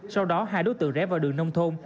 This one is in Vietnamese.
sau đó hai đối tượng rẽ vào đường nông thôn